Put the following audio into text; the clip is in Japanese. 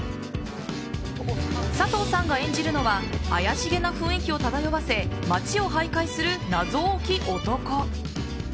佐藤さんが演じるのは怪しげな雰囲気を漂わせ街を徘徊する謎多き男。